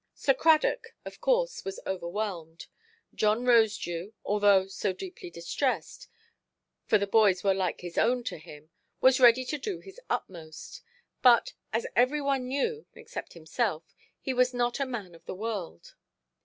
Sir Cradock, of course, was overwhelmed; John Rosedew, although so deeply distressed, for the boys were like his own to him, was ready to do his utmost; but, as every one knew, except himself, he was not a man of the world.